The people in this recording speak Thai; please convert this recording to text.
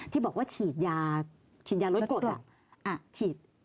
ที่บอกว่าฉีดยารดกด